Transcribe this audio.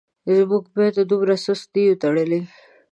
موږ میندو دومره سست نه یو تړلي.